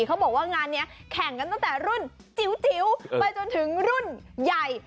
เขาบอกว่างานนี้แข่งกันตั้งแต่รุ่นจิ๋วไปจนถึงรุ่นใหญ่